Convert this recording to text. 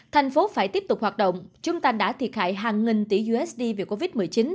thành phố phải tiếp tục hoạt động chúng ta đã thiệt hại hàng nghìn tỷ usd vì covid một mươi chín